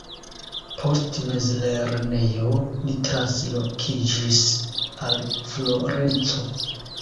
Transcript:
Post mezlernejo li translokiĝis al Florenco.